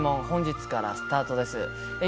本日からスタートです。